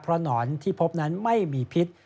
เพราะหนอนที่พบนั้นไม่มีพิษ